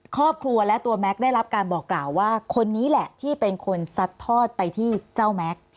ครอบครัวและตัวแม็กซ์ได้รับการบอกกล่าวว่าคนนี้แหละที่เป็นคนซัดทอดไปที่เจ้าแม็กซ์